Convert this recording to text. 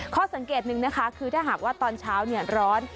สังเกตหนึ่งนะคะคือถ้าหากว่าตอนเช้าร้อน